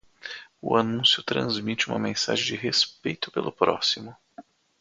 O anúncio transmite uma mensagem de respeito pelo próximo.